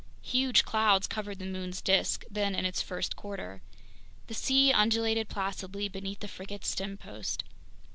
Huge clouds covered the moon's disk, then in its first quarter. The sea undulated placidly beneath the frigate's stempost.